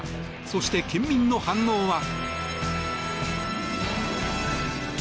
そして、県民の反応は？